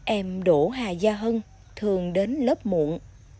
em đỗ hà gia hân thường đến lớp muộn